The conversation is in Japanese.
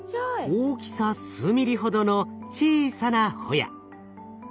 大きさ数ミリほどの小さなホヤ。